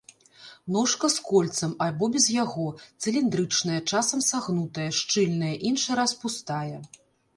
Ножка з кольцам або без яго, цыліндрычная, часам сагнутая, шчыльная, іншы раз пустая.